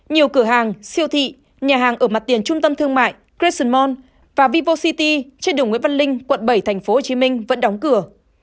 nhiều cửa hàng siêu thị nhà hàng ở mặt tiền trung tâm thương mại cressonmond và vivo city trên đường nguyễn văn linh quận bảy tp hcm vẫn đóng cửa